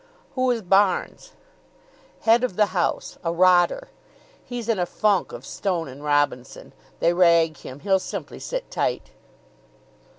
"Who is Barnes?" "Head of the house a rotter. He's in a funk of Stone and Robinson; they rag him; he'll simply sit tight."